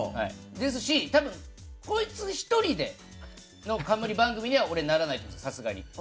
ですが、こいつ１人の冠番組にはならないと思います。